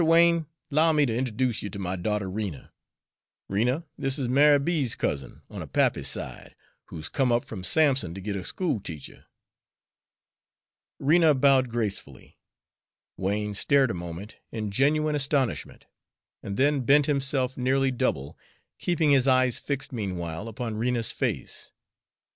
Wain, 'low me to int'oduce you to my daughter Rena. Rena, this is Ma'y B.'s cousin on her pappy's side, who's come up from Sampson to git a school teacher." Rena bowed gracefully. Wain stared a moment in genuine astonishment, and then bent himself nearly double, keeping his eyes fixed meanwhile upon Rena's face.